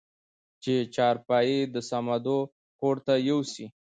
چې چارپايي د صمدو کورته يوسې؟